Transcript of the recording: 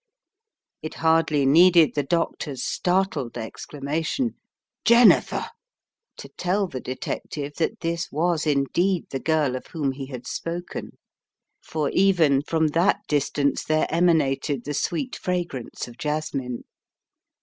It hardly needed the doctor's startled exclama tion, "Jennifer!" to tell the detective that this was indeed the girl of whom he had spoken, for even from that distance there emanated the sweet fragrance of jasmine.